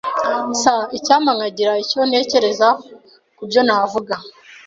[S] Icyampa nkagira icyo ntekereza kubyo navuga.